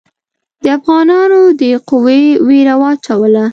د افغانانو دې قوې وېره واچوله.